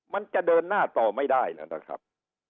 มันจะเดินหน้าต่อไม่ได้แล้วนะครับ